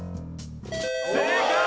正解！